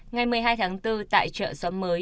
ngày một mươi hai tháng bốn tại chợ xóm mới